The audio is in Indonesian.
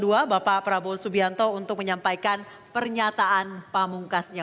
minta ucapkan salam untuk caree subianto untuk menyampaikan pernyataan pamungkasnya